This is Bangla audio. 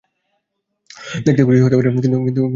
দেখতে কুৎসিত হতে পারে, কিন্ত কই মাছের প্রাণ।